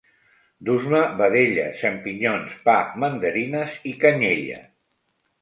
Dus-me vedella, xampinyons, pa, mandarines i canyella